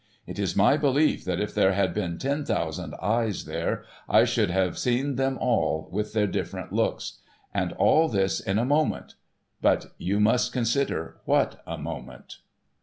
It is my belief that if there had been ten thousand eyes there, I should have seen them all, with their different looks. And all this in a moment. But you must consider what a moment.